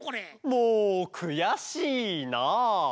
もうくやしいな！